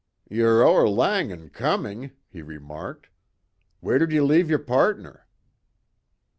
"Ye're ower lang in coming," he remarked. "Where did ye leave your partner?"